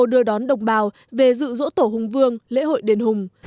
đưa đón đồng bào về dự dỗ tổ hùng vương lễ hội đền hùng